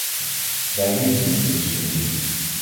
Wij leefden in deze beelden.